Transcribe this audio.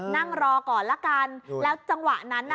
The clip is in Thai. นั่งรอก่อนแล้วตั้งวันนั้นนะครับ